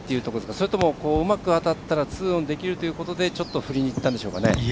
それともうまく当たったら２オンできるということでちょっと振りにいったんでしょうかね。